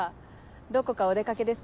どこかお出掛けですか？